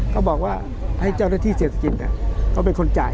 เขาบอกว่าให้เจ้าหน้าที่เสียค่าจอดเขาเป็นคนจ่าย